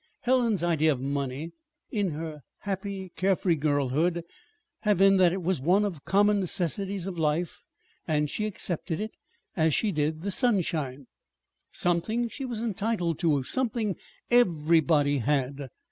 Helen's idea of money, in her happy, care free girlhood, had been that it was one of the common necessities of life; and she accepted it as she did the sunshine something she was entitled to; something everybody had.